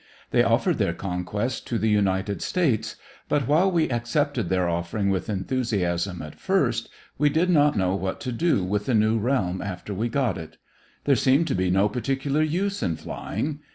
They offered their conquest to the United States; but while we accepted their offering with enthusiasm at first, we did not know what to do with the new realm after we got it. There seemed to be no particular use in flying.